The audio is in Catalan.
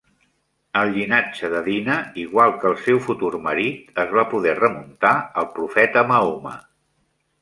El llinatge de Dina, igual que el seu futur marit, es va poder remuntar al profeta Mahoma.